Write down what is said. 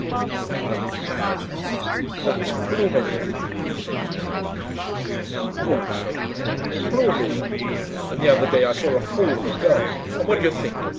I glanced back at her. "THAT'S ploombism," said my uncle casually. "What?" said I. "Ploombism. And the other day I saw a fool of a girl, and what d'you think?